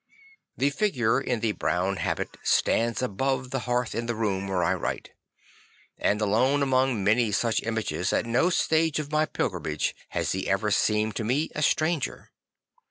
The figure in the brown habit stands above the hearth in the room where I write, and alone among many such images, at no stage of my pilgrimage has he ever seemed to me a stranger.